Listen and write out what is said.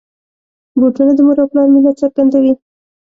بوټونه د مور او پلار مینه څرګندوي.